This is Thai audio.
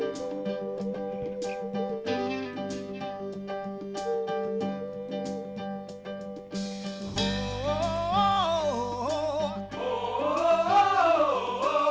เป็นแบบนี้ไม่มีวันเปลี่ยนแปลก